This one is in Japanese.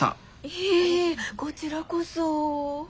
いえいえこちらこそ。